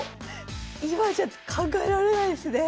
今じゃ考えられないですね。